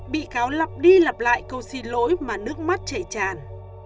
bị cáo lặp đi lặp lại câu xì lỗi mà nước mắt chảy tràn